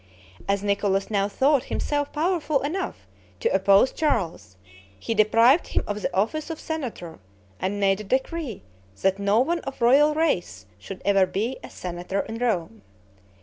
As Nicholas now thought himself powerful enough to oppose Charles, he deprived him of the office of senator, and made a decree that no one of royal race should ever be a senator in Rome.